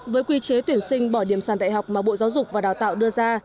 với quy chế tuyển sinh bỏ điểm sàn đại học mà bộ giáo dục và đào tạo đưa ra